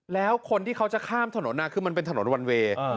แล้วคนที่เขาจะข้ามถนนคือมันเป็นถนนวันเวย์